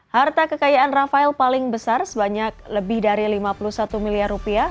harta kekayaan rafael paling besar sebanyak lebih dari lima puluh satu miliar